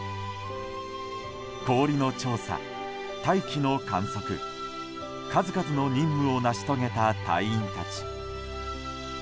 氷の調査、大気の観測数々の任務を成し遂げた隊員たち。